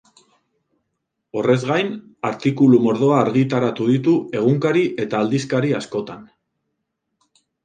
Horrez gain, artikulu mordoa argitaratu ditu egunkari eta aldizkari askotan.